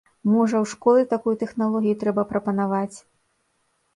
Можа, у школы такую тэхналогію трэба прапанаваць?